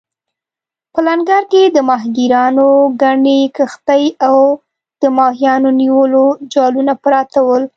په لنګر کې د ماهیګیرانو ګڼې کښتۍ او د ماهیانو نیولو جالونه پراته ول.